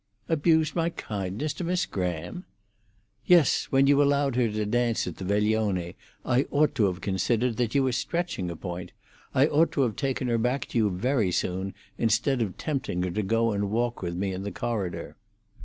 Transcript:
"Abused my kindness to Miss Graham?" "Yes. When you allowed her to dance at the veglione, I ought to have considered that you were stretching a point. I ought to have taken her back to you very soon, instead of tempting her to go and walk with me in the corridor."